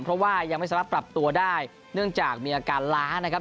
เพราะว่ายังไม่สามารถปรับตัวได้เนื่องจากมีอาการล้านะครับ